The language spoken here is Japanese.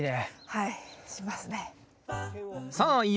はい。